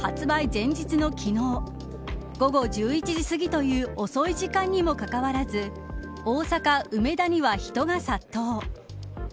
前日の昨日午後１１時すぎという遅い時間にもかかわらず大阪、梅田には人が殺到。